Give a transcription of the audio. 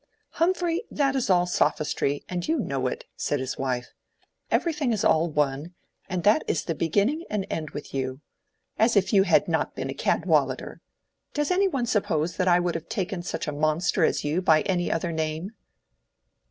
"Humphrey, that is all sophistry, and you know it," said his wife. "Everything is all one—that is the beginning and end with you. As if you had not been a Cadwallader! Does any one suppose that I would have taken such a monster as you by any other name?"